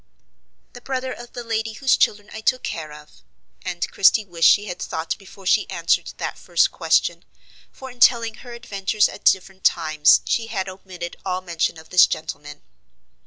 "The brother of the lady whose children I took care of;" and Christie wished she had thought before she answered that first question, for in telling her adventures at diiferent times she had omitted all mention of this gentleman.